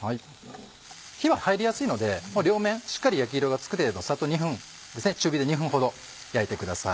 火は入りやすいので両面しっかり焼き色がつく程度サッと中火で２分ほど焼いてください。